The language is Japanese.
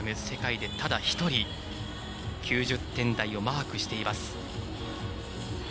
世界で、ただ一人９０点台をマークしています。